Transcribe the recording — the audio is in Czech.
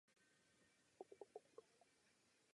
Po hodině odpočinku se rozhodl sám vozem vrátit domů.